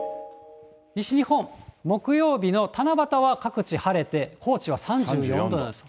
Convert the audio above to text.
西日本、木曜日の七夕は各地晴れて、高知は３４度なんです。